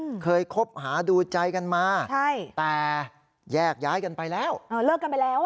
อืมเคยคบหาดูใจกันมาใช่แต่แยกย้ายกันไปแล้วเออเลิกกันไปแล้วอ่ะ